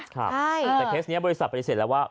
ใช่แต่เคสนี้บริษัทไปได้เสร็จแล้วว่า